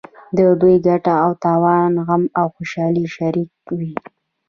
د دوی ګټه او تاوان غم او خوشحالي شریک وي.